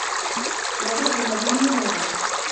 هو ضدّ هذه المبادرة.